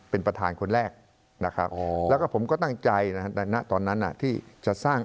เป็นประธานคนแรกนะครับแล้วก็ผมก็ตั้งใจในตอนนั้นที่จะสร้าง